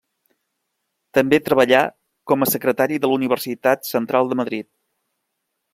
També treballà com a secretari de la Universitat Central de Madrid.